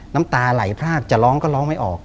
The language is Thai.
น้ำตาไหลพรากจะร้องก็ร้องไม่ออก